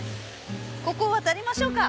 ここ渡りましょうか。